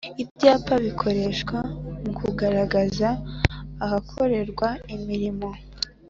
Ibyapa bikoreshwa mu kugaragaza ahakorerwa imirimo